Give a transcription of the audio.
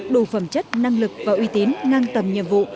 đủ phẩm chất năng lực và uy tín ngang tầm nhiệm vụ